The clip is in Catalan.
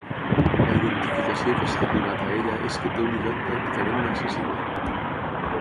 La identificació que s'ha arribat a ella és que té un illot pràcticament inaccessible.